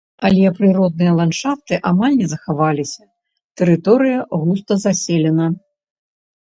Але прыродныя ландшафты амаль не захаваліся, тэрыторыя густа заселена.